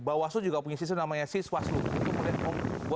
bawah seluruh juga punya sistem namanya siswaslu